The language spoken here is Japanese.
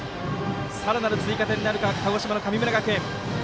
さらなる追加点になるか鹿児島の神村学園。